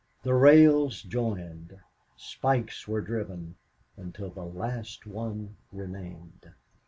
The rails joined. Spikes were driven, until the last one remained.